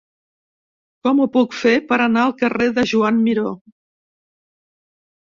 Com ho puc fer per anar al carrer de Joan Miró?